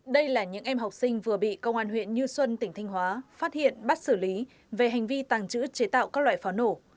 đây là những em học sinh vừa bị công an huyện như xuân tỉnh thanh hóa phát hiện bắt xử lý về hành vi tàng trữ chế tạo các loại pháo nổ